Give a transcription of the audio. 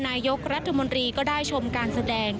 นายกรัฐมนตรีก็ได้ชมการแสดง